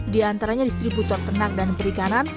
diantaranya distributor tenang dan perikanan